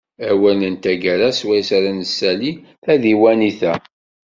Awal n taggara swayes ara nessali tadiwennit-a.